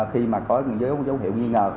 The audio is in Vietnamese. khi mà có dấu hiệu nghi ngờ